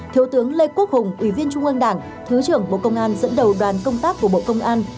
thiếu tướng lê quốc hùng ủy viên trung ương đảng thứ trưởng bộ công an dẫn đầu đoàn công tác của bộ công an